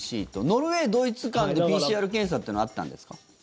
ノルウェードイツ間でＰＣＲ検査っていうのはあったんですか？